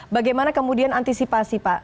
bagaimana kemudian antisipasi pak